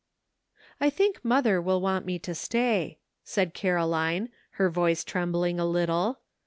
I think mother will want me to stay," said Caroline, her voice trembling a little.